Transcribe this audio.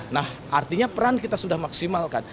nah artinya peran kita sudah maksimalkan